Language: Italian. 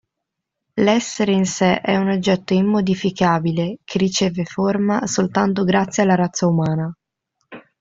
L'essere in sé è un oggetto immodificabile che riceve forma soltanto grazie alla razza umana.